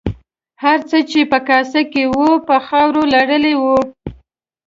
هر څه چې په کاسه کې وو په خاورو لړلي وو.